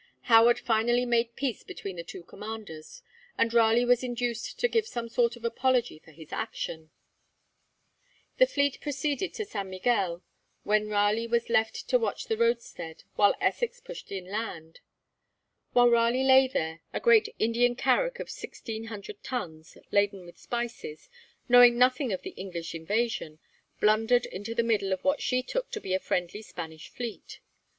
Howard finally made peace between the two commanders, and Raleigh was induced to give some sort of apology for his action. The fleet proceeded to St. Miguel, when Raleigh was left to watch the roadstead, while Essex pushed inland. While Raleigh lay here, a great Indian carrack of sixteen hundred tons, laden with spices, knowing nothing of the English invasion, blundered into the middle of what she took to be a friendly Spanish fleet.